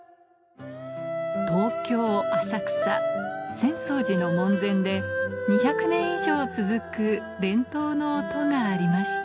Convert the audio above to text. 浅草寺の門前で２００年以上続く伝統の音がありました